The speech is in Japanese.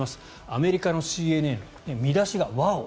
アメリカのＣＮＮ見出しがワーオ！